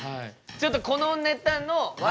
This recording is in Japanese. ちょっとこのネタの笑